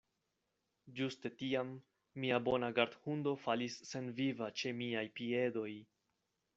Ĝuste tiam, mia bona gardhundo falis senviva ĉe miaj piedoj.